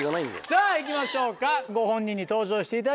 さぁいきましょうかご本人に登場していただきましょう。